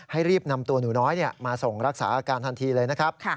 รีบนำตัวหนูน้อยมาส่งรักษาอาการทันทีเลยนะครับ